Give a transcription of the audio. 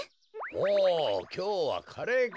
おおきょうはカレーか。